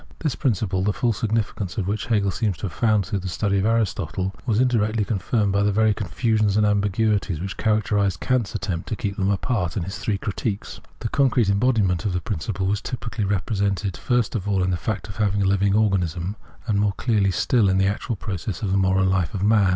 This principle, the full significance of which Hegel seems to have found through the study of Aristotle, was indirectly confirmed by the very confusions and ambiguities which characterised Kant's attempt to keep them apart in his three Critiques. The concrete embodiment of the principle was typically represented first of all in the fact of a living organism, and more clearly still in the actual process of the moral life of man.